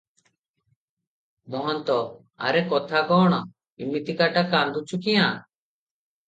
ମହନ୍ତ- ଆରେ କଥା କଣ କହ, ଇମିତିକାଟା କାନ୍ଦୁଛୁ କ୍ୟାଁ?